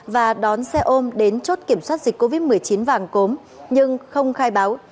và đón xe ôm đến chốt kiểm soát dịch covid một mươi chín vàng cốm nhưng không khai báo